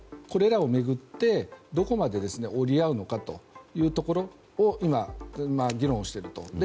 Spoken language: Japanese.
これらを巡って、どこまで折り合うのかというところを今、議論していると。